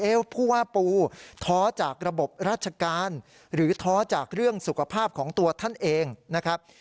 ผู้ว่าปูท้อจากระบบราชการหรือท้อจากเรื่องสุขภาพของตัวท่านเองนะครับ